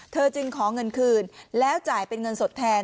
จึงขอเงินคืนแล้วจ่ายเป็นเงินสดแทน